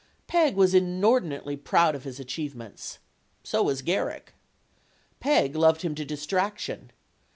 Peg was inordinately proud of his achievements. So was Garrick. Peg loved him to distraction.